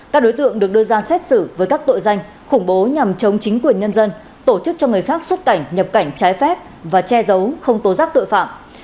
các đối tượng được đưa ra xét xử với các tội danh khủng bố nhằm chống chính quyền nhân dân tổ chức cho người khác xuất cảnh nhập cảnh trái phép và che giấu không tố giác tội phạm